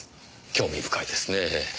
興味深いですねぇ。